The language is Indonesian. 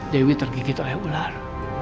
dewi tergigit oleh ular